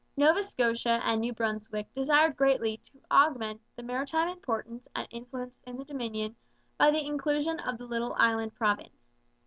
Nova Scotia and New Brunswick desired greatly to augment the maritime importance and influence in the Dominion by the inclusion of the little island province.